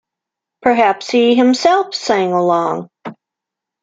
Perhaps he himself sang along.